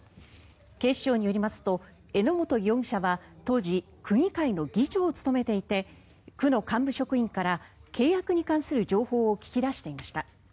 警視庁によりますと榎本容疑者は当時区議会の議長を務めていて区の幹部職員から契約に関する情報を聞き出していました。